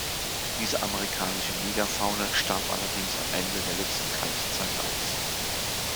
Diese amerikanische Megafauna starb allerdings am Ende der letzten Kaltzeit aus.